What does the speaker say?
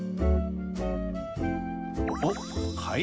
［おっ］